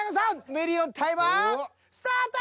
ミリオンタイマースタート！